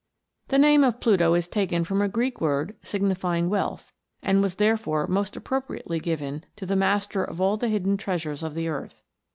The name of Pluto is taken from a Greek word signifying wealth, and was therefore most appro priately given to the master of all the hidden trea sures of the earth.